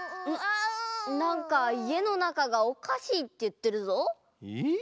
なんかいえのなかがおかしいっていってるぞ。え？